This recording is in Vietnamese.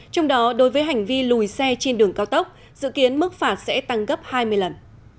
trong đó đối với hành vi lùi xe trên đường cao tốc dự kiến mức phạt sẽ tăng gấp hai mươi lần